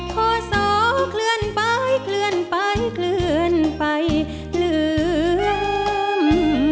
ข้อสองเคลื่อนไปเคลื่อนไปเคลื่อนไปลืม